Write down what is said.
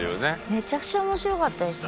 めちゃくちゃ面白かったですね。